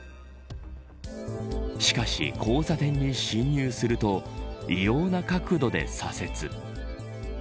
しかし、交差点に進入すると異様な角度で左折。